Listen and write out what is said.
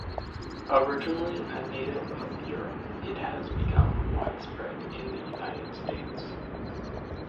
Originally a native of Europe, it has become widespread in the United States.